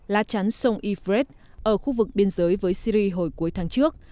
la chansong i fred ở khu vực biên giới với syri hồi cuối tháng trước